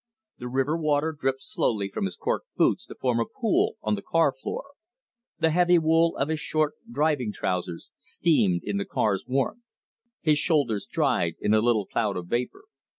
The river water dripped slowly from his "cork" boots to form a pool on the car floor. The heavy wool of his short driving trousers steamed in the car's warmth. His shoulders dried in a little cloud of vapor.